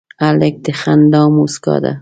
هلک د خندا موسکا ده.